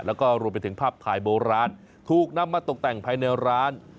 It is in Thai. แล้วก็รวมไปถึงภาพถ่ายโบราณถูกนำมาตกแต่งภายในร้าน